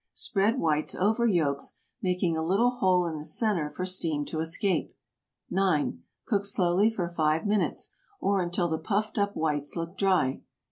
Spread whites over yolks, making a little hole in the center for steam to escape. 9. Cook slowly for 5 minutes, or until the puffed up whites look dry.